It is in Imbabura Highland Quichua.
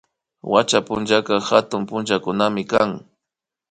Wacha punllaka hatuna punllakunamikan